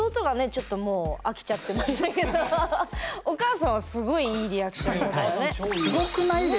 ちょっともう飽きちゃってましたけどお母さんはすごいいいリアクションだったね。